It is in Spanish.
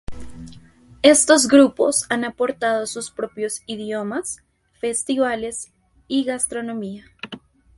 Estos grupos han aportado sus propios idiomas, festivales y gastronomía.